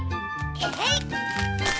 えい！